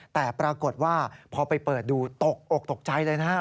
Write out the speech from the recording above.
แต่ปรากฏว่าพอไปเปิดดูตกอกตกใจเลยนะครับ